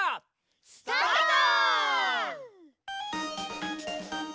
スタート！